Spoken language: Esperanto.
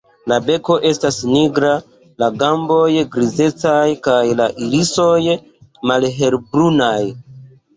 La beko estas nigra, la gamboj grizecaj kaj la irisoj malhelbrunaj.